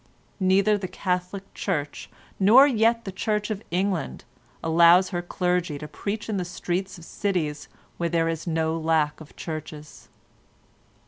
Neither the Catholic Church, nor yet the Church of England allows her clergy to preach in the streets of cities where there is no lack of churches."